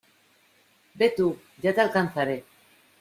Ve tú. Ya te alcanzaré .